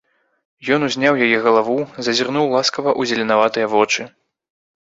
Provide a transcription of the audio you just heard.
Ён узняў яе галаву, зазірнуў ласкава ў зеленаватыя вочы.